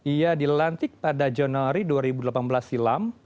ia dilantik pada januari dua ribu delapan belas silam